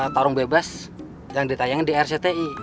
tarung bebas yang ditayangin di rcti